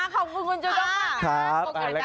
ขอบคุณคุณจูด้มครับ